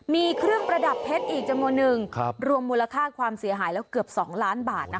มีเครื่องประดับเพชรอีกจังหวะหนึ่งครับรวมมูลค่าความเสียหายแล้วเกือบสองล้านบาทนะคะ